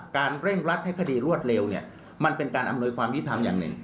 เร่งรัดให้คดีรวดเร็วเนี่ยมันเป็นการอำนวยความยุทธรรมอย่างหนึ่ง